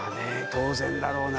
当然だろうな